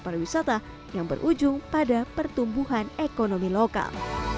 pariwisata yang berujung pada pertumbuhan ekonomi lokal